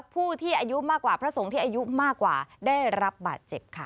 ผู้ที่อายุมากกว่าพระสงฆ์ที่อายุมากกว่าได้รับบาดเจ็บค่ะ